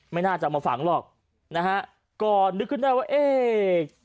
ไม่น่าจะเอามาฝังหรอกนะฮะก็นึกขึ้นได้ว่าเอ๊ะ